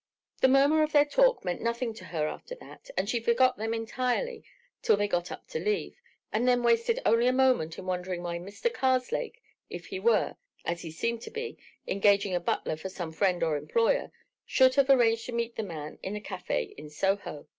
The murmur of their talk meant nothing to her after that, and she forgot them entirely till they got up to leave, and then wasted only a moment in wondering why Mr. Karslake, if he were, as he seemed to be, engaging a butler for some friend or employer, should have arranged to meet the man in a café of Soho.